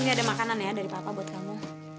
ini ada makanan ya dari papa buat kamu